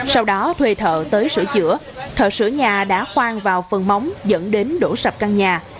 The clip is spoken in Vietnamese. sau đó thuê thợ tới sửa chữa thợ sửa nhà đã khoan vào phần móng dẫn đến đổ sập căn nhà